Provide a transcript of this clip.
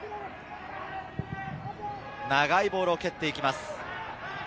長いボールを蹴っていきます。